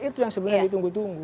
itu yang sebenarnya ditunggu tunggu